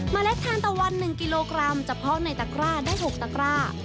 เล็ดทานตะวัน๑กิโลกรัมเฉพาะในตะกร้าได้๖ตะกร้า